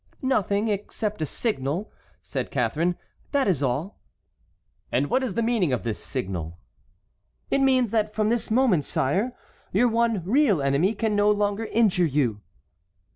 "Nothing except a signal," said Catharine; "that is all." "And what is the meaning of the signal?" "It means that from this moment, sire, your one real enemy can no longer injure you."